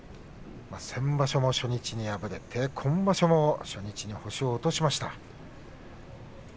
先場所も初日に敗れて、今場所も初日に星を落としました。